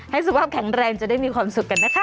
สุขภาพแข็งแรงจะได้มีความสุขกันนะคะ